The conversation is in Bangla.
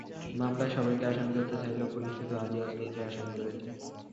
মামলায় সবাইকে আসামি করতে চাইলেও পুলিশ শুধু আলী আজগরকে আসামি করেছে।